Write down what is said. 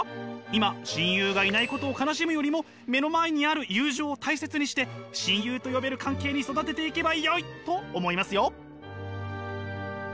今親友がいないことを悲しむよりも目の前にある友情を大切にして親友と呼べる関係に育てていけばよいと思いますよ。